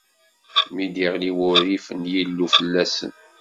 Mi d-iɣli wurrif n Yillu fell-asen.